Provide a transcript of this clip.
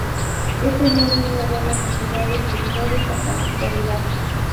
Ha tenido una buena cantidad de seguidores hasta la actualidad.